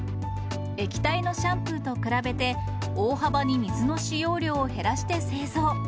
液体のシャンプーと比べて、大幅に水の使用量を減らして製造。